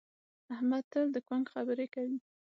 احمد تل د کونک خبرې کوي.